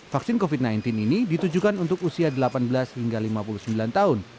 vaksin covid sembilan belas ini ditujukan untuk usia delapan belas hingga lima puluh sembilan tahun